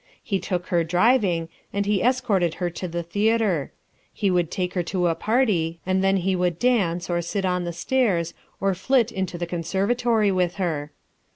He took her Driving, and he Escorted her to the Theater. He would take her to a Party, and then he would Dance, or Sit on the Stairs, or Flit into the Conservatory with her.